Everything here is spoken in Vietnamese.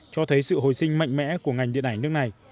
cho thấy sự hồi sinh mạnh mẽ của ngành điện ảnh nước này